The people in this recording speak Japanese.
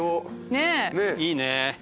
いいね。